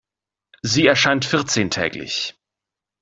Sie erscheint vierzehntäglich.